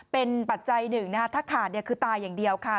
เป็นปัจจัยหนึ่งถ้าขาดคือตายอย่างเดียวค่ะ